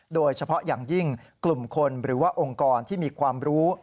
โดยเฉพาะอย่างยิ่งกลุ่มคนหรือว่าองค์กรที่มีความรู้